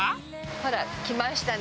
ほら来ましたね。